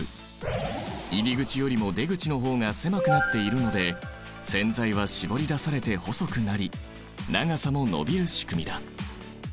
入り口よりも出口の方が狭くなっているので線材は絞り出されて細くなり長さも延びる仕組みだ。